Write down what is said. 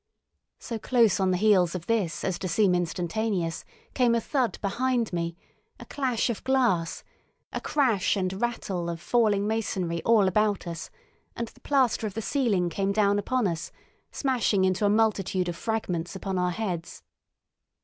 So close on the heels of this as to seem instantaneous came a thud behind me, a clash of glass, a crash and rattle of falling masonry all about us, and the plaster of the ceiling came down upon us, smashing into a multitude of fragments upon our heads.